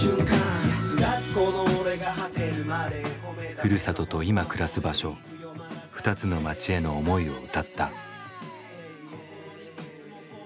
ふるさとと今暮らす場所二つの町への思いを歌った。